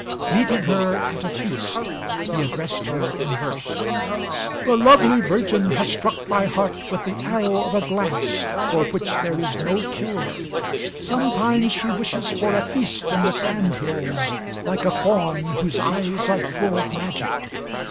[Meeting her at a feast, he addressed her in verse: ] _The lovely virgin has struck my heart with the arrow of a glance, for which there is no cure. Sometimes she wishes for a feast in the sandhills, like a fawn whose eyes are full of magic.